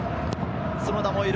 角田もいる。